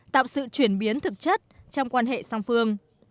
tạo sự chuyển biến thực chất trong quan hệ song phương